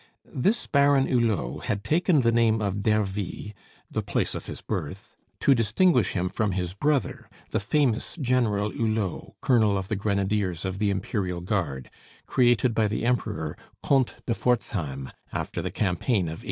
This Baron Hulot had taken the name of d'Ervy the place of his birth to distinguish him from his brother, the famous General Hulot, Colonel of the Grenadiers of the Imperial Guard, created by the Emperor Comte de Forzheim after the campaign of 1809.